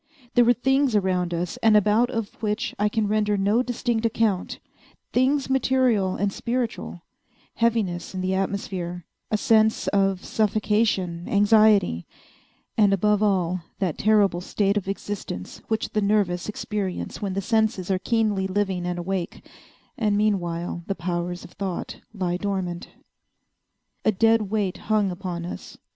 There were things around us and about of which I can render no distinct account—things material and spiritual—heaviness in the atmosphere—a sense of suffocation—anxiety—and, above all, that terrible state of existence which the nervous experience when the senses are keenly living and awake, and meanwhile the powers of thought lie dormant. A dead weight hung upon us.